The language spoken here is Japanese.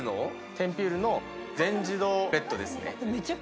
テンピュールの全自動ベッドですね。